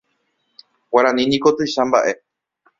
Guarani niko tuicha mbaʼe.